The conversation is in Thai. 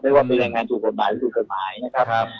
ไม่ว่าเป็นแรงงานถูกผลหมายหรือถูกเครื่องหมายนะครับ